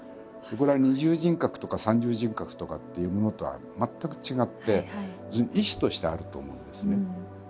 これは二重人格とか三重人格とかっていうものとは全く違って意思としてあると思うんですね。